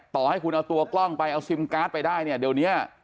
ต่อให้คุณเอาตัวกล้องไปเอาซิมการ์ดไปได้เนี่ยเดี๋ยวเนี้ย